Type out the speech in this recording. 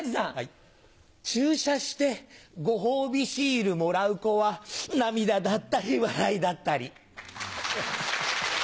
注射してご褒美シールもらう子は涙だったり笑いだったり。